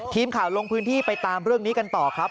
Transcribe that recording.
ทีมข่าวลงพื้นที่ไปตามเรื่องนี้กันต่อครับ